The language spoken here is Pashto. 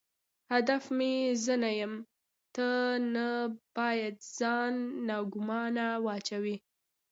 هدف مې زه نه یم، ته نه باید ځان ناګومانه واچوې.